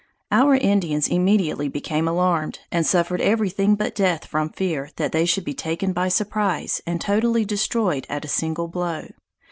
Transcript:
Our Indians immediately became alarmed, and suffered every thing but death from fear that they should be taken by surprize, and totally destroyed at a single blow.